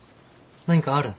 何かあるん？